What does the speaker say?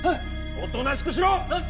おとなしくしろ！